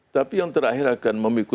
tapi yang terakhir akan memikul